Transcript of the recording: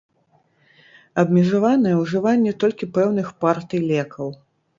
Абмежаванае ўжыванне толькі пэўных партый лекаў.